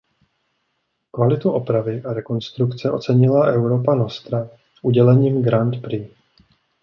Kvalitu opravy a rekonstrukce ocenila Europa Nostra udělením Grand Prix.